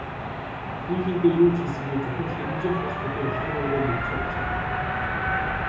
Хэн хэндээ юу ч хэлсэнгүй, зөвхөн сэрэмжийн хурц нүдээр хавь ойроо нэвчин ажна.